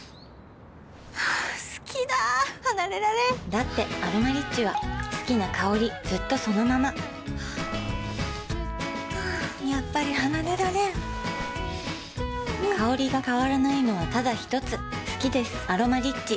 好きだ離れられんだって「アロマリッチ」は好きな香りずっとそのままやっぱり離れられん香りが変わらないのはただひとつ好きです「アロマリッチ」